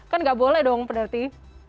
kan nggak boleh dong berarti